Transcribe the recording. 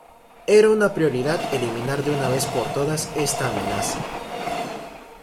Era una prioridad eliminar de una vez por todas esta amenaza.